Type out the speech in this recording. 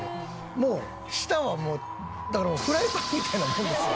もう下はもうだからもうフライパンみたいなもんですよ。